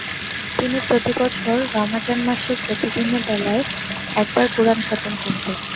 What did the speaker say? তিনি প্রতি বছর রামাযান মাসের প্রতিদিনের বেলায় একবার কুরআন খতম করতেন।